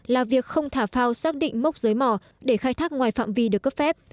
là việc không thả phao xác định mốc giới mỏ để khai thác ngoài phạm vi được cấp phép